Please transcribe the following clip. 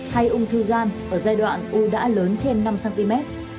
hay ung thư gan ở giai đoạn u đã lớn trên năm cm